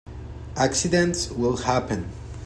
Accidents will happen.